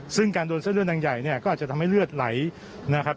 ซึ่งการโดนเส้นเลือดดังใหญ่เนี่ยก็อาจจะทำให้เลือดไหลนะครับ